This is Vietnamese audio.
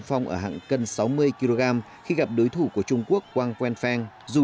và hạng cân bốn mươi tám năm mươi một kg nữ của bùi yến ly